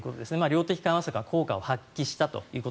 量的緩和策が効果を発揮したと。